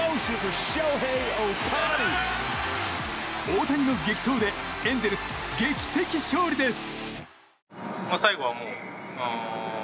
大谷の激走でエンゼルス、劇的勝利です。